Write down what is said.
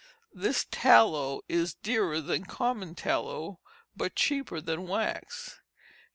This tallow is dearer than common tallow, but cheaper than wax.